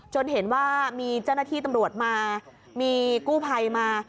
เห็นว่ามีเจ้าหน้าที่ตำรวจมามีกู้ภัยมา